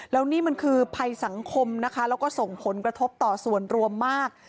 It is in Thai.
แล้วนี่มันคือภัยสังคมนะคะแล้วก็ส่งผลกระทบต่อส่วนรวมมาก